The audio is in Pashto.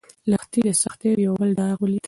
لښتې د سختیو یو بل داغ ولید.